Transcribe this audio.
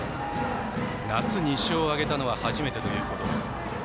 夏２勝を挙げたのは初めてということで。